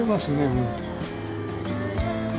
もう。